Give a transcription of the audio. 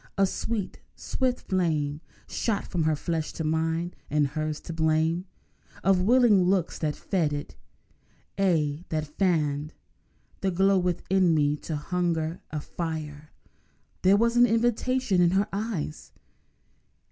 A sweet, swift flame Shot from her flesh to mine—and hers the blame Of willing looks that fed it; aye, that fanned The glow within me to a hungry fire. There was an invitation in her eyes.